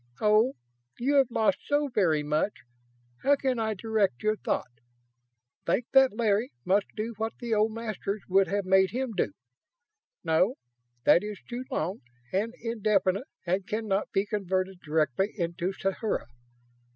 Oh, you have lost so very much! How can I direct your thought? Think that Larry must do what the old Masters would have made him do.... No, that is too long and indefinite and cannot be converted directly into sathura....